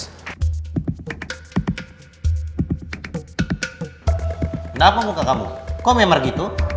kenapa muka kamu kok memer gitu